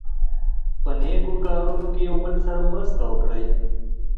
په نېکو کارونو کې یو بل سره مرسته وکړئ.